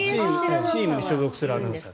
チームに所属するアナウンサー。